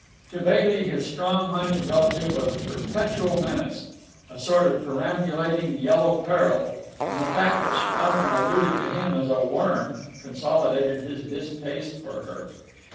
To Bailey, his strong minded relative was a perpetual menace, a sort of perambulating yellow peril, and the fact that she often alluded to him as a worm consolidated his distaste for her.